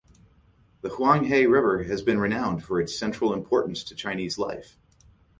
The Huang He River has been renowned for its central importance to Chinese life.